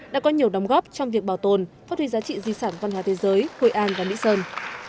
đã có nhiều đóng góp trong việc bảo tồn phát huy giá trị di sản văn hóa thế giới hội an và mỹ sơn